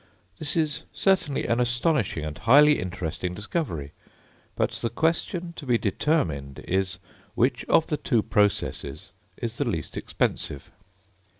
This is certainly an astonishing and highly interesting discovery; but the question to be determined is, which of the two processes is the least expensive?